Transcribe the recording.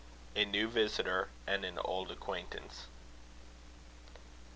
A NEW VISITOR AND AN OLD ACQUAINTANCE.